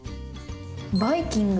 バイキング！